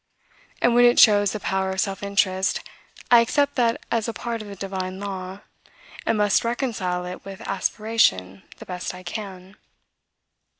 And when it shows the power of self interest, I accept that as a part of the divine law, and must reconcile it with aspiration the best I can.